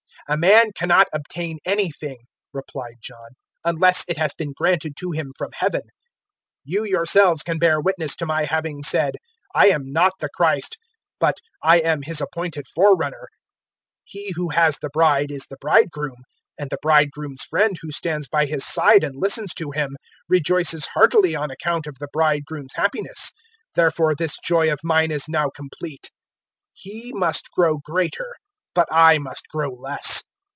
003:027 "A man cannot obtain anything," replied John, "unless it has been granted to him from Heaven. 003:028 You yourselves can bear witness to my having said, `I am not the Christ,' but `I am His appointed forerunner.' 003:029 He who has the bride is the bridegroom; and the bridegroom's friend who stands by his side and listens to him, rejoices heartily on account of the bridegroom's happiness. Therefore this joy of mine is now complete. 003:030 He must grow greater, but I must grow less.